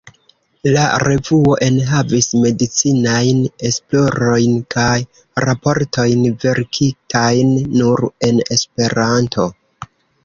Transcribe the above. La revuo enhavis medicinajn esplorojn kaj raportojn verkitajn nur en Esperanto.